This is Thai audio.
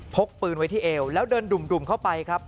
กปืนไว้ที่เอวแล้วเดินดุ่มเข้าไปครับ